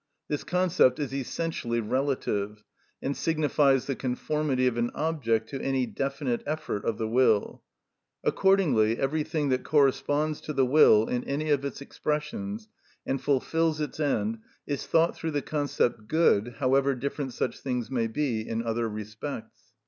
This concept is essentially relative, and signifies the conformity of an object to any definite effort of the will. Accordingly everything that corresponds to the will in any of its expressions and fulfils its end is thought through the concept good, however different such things may be in other respects.